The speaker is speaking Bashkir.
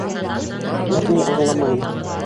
Бер ни аңламайым!